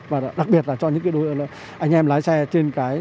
và đặc biệt là cho những anh em lái xe